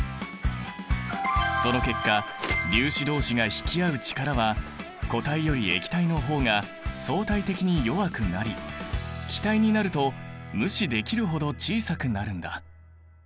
その結果粒子どうしが引き合う力は固体より液体の方が相対的に弱くなり気体になると無視できるほど小さくなるんだ。